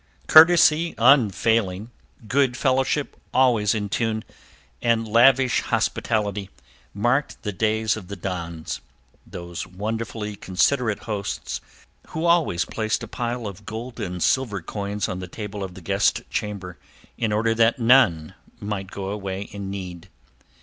Courtesy unfailing, good fellowship always in tune, and lavish hospitality, marked the days of the Dons those wonderfully considerate hosts who always placed a pile of gold and silver coins on the table of the guest chamber, in order that none might go away in need.